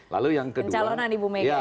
lalu yang kedua